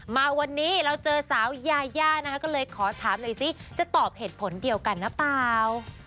มาวันนี้เราเจอสาวยายานะคะก็เลยขอถามหน่อยซิจะตอบเหตุผลเดียวกันหรือเปล่า